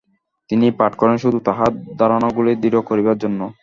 তিনি পাঠ করেন শুধু তাঁহার ধারণাগুলি দৃঢ় করিবার জন্য।